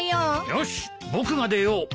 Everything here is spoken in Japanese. よし僕が出よう。